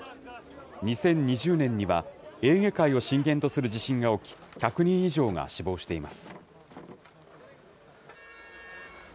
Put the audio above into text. ２０２０年にはエーゲ海を震源とする地震が起き、１００人以上が死亡しています。